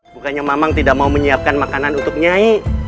bukannya mamang tidak mau menyiapkan makanan untuk nyai